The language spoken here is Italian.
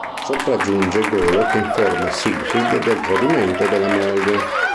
Sopraggiunge Golo che informa Siegfried del tradimento della moglie.